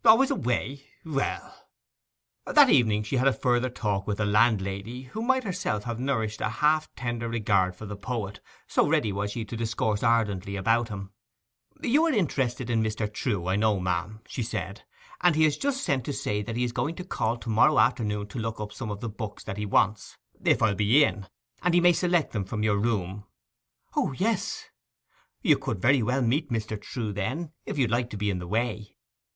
'Always away? Well ...' That evening she had a further talk with the landlady, who might herself have nourished a half tender regard for the poet, so ready was she to discourse ardently about him. 'You are interested in Mr. Trewe, I know, ma'am,' she said; 'and he has just sent to say that he is going to call to morrow afternoon to look up some books of his that he wants, if I'll be in, and he may select them from your room?' 'O yes!' 'You could very well meet Mr Trewe then, if you'd like to be in the way!